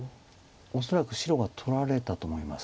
恐らく白が取られたと思います。